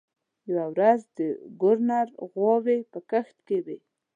یوه ورځ د ګوروان غواوې په کښت کې وې.